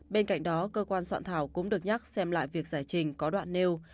bên cạnh đó cơ quan soạn thảo cũng được nhắc xem lại việc giải trình có đoạn nêu